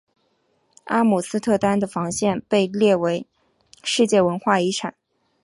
阿姆斯特丹的防线被列为世界文化遗产。